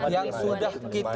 yang sudah kita daftar